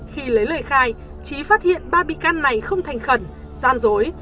khi lấy lời khai trí phát hiện ba bị can này không thành khẩn gian dối